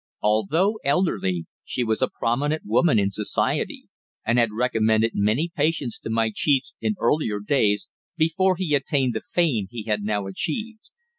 Although elderly, she was a prominent woman in society, and had recommended many patients to my chief in earlier days, before he attained the fame he had now achieved.